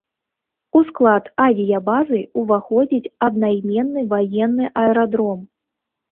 У склад авіябазы ўваходзіць аднайменны ваенны аэрадром.